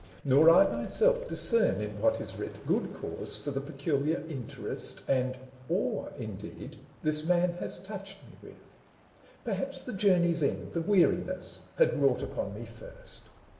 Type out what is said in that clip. Nor I myself discern in what is writ Good cause for the peculiar interest And awe indeed this man has touched me with. Perhaps the journey's end, the weariness . Had wrought upon me first.